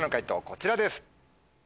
こちらです。